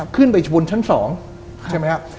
ขึ้นไปชนชั้น๒ใช่ไหมครับ